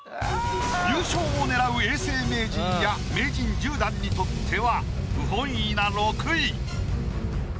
優勝を狙う永世名人や名人１０段にとっては不本意な６位。